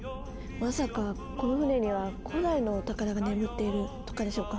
まさかこの船には古代のお宝が眠っているとかでしょうか？